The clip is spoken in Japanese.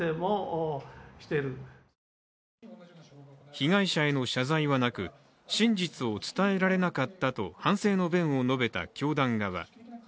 被害者への謝罪はなく真実を伝えられなかったと反省の弁を述べた教団側。